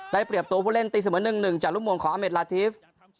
เปรียบตัวผู้เล่นตีเสมอ๑๑จากลูกโมงของอเมดลาทีฟ